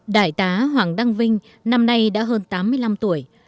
đại tá hoàng đăng vinh năm nay đã hơn tám mươi năm tuổi